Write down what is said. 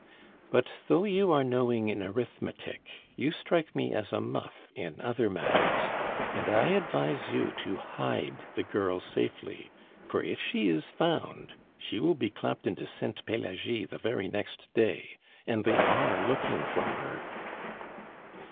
But though you are knowing in arithmetic, you strike me as a muff in other matters; and I advise you to hide the girl safely, for if she is found she will be clapped into Sainte Pelagie the very next day. And they are looking for her."